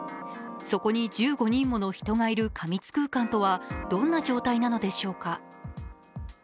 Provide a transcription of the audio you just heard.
そこに１５人もの人がいる過密空間とはどんな状態なのでしょうか。